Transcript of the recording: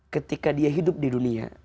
ketika dia hidup di dunia